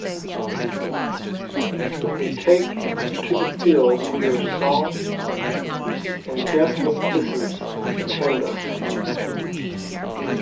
When we take to the field we are solemn and deafening hisses attend us.